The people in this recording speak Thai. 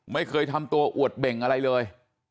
ไม่เคยทำตัวอวดเบ่งอะไรเลย